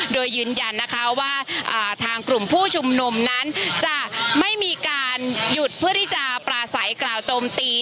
โดยยืนยันนะคะว่าทางกลุ่มผู้ชุมนุมนั้นจะไม่มีการหยุดเพื่อที่จะปราศัยกล่าวโจมตี